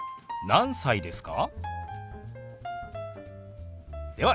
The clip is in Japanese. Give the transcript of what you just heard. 何歳ですか？